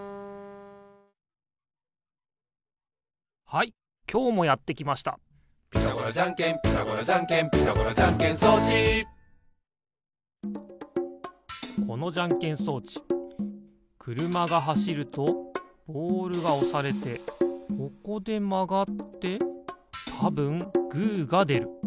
はいきょうもやってきました「ピタゴラじゃんけんピタゴラじゃんけん」「ピタゴラじゃんけん装置」このじゃんけん装置くるまがはしるとボールがおされてここでまがってたぶんグーがでる。